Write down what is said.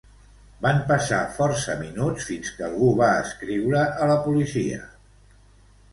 Van passar força minuts fins que algú va escriure a la policia.